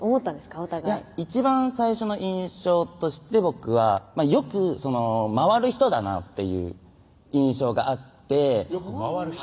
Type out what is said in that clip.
お互いいや一番最初の印象として僕はよく回る人だなっていう印象があってよく回る人？